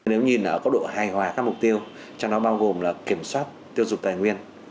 nếu nhìn ở góc độ hài hòa các mục tiêu trong đó bao gồm là kiểm soát tiêu dục tài nguyên